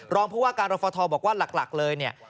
รองผู้ว่าการรฟทบอกว่าหลักเลยเนี่ย